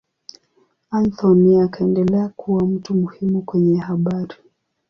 Anthony akaendelea kuwa mtu muhimu kwenye habari.